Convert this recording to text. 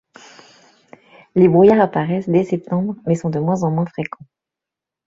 Les brouillards apparaissent dès septembre mais sont de moins en moins fréquents.